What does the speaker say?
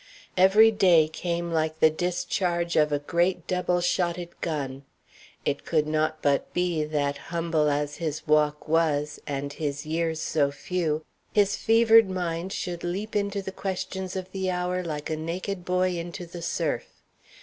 Every day came like the discharge of a great double shotted gun. It could not but be that, humble as his walk was, and his years so few, his fevered mind should leap into the questions of the hour like a naked boy into the surf.